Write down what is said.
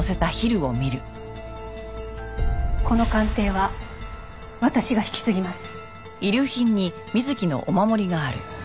この鑑定は私が引き継ぎます。